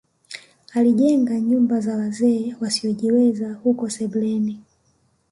Alijenga nyumba za wazee wasiojiweza huko sebleni